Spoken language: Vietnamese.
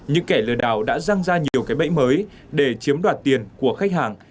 những kẻ lừa đảo đã răng ra nhiều cái bẫy mới để chiếm đoạt tiền của khách hàng